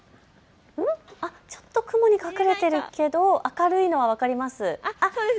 ちょっと雲に隠れているけれど明るいのが分かります。